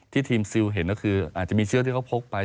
ทีมซิลเห็นก็คืออาจจะมีเชือกที่เขาพกไป